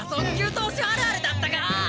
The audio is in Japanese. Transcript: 投手あるあるだったか！